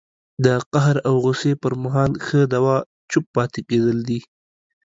د قهر او غوسې پر مهال ښه دوا چپ پاتې کېدل دي